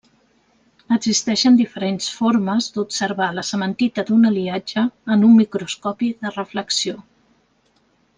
Existeixen diferents formes d'observar la cementita d'un aliatge en un microscopi de reflexió.